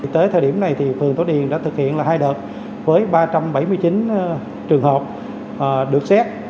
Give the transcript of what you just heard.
tới thời điểm này phường tố điền đã thực hiện hai đợt với ba trăm bảy mươi chín trường hợp được xét